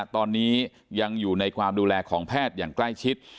ตอนนี้ยังอยู่ในความดูแลของแพทย์อย่างใกล้ชิด